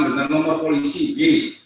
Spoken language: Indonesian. dengan nomor polisi b